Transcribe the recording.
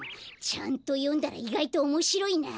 ちゃんとよんだらいがいとおもしろいな！